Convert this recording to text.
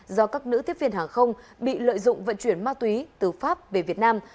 do các nữ tiếp viên hàng không bị lợi dụng vận chuyển ma túy từ pháp về việt nam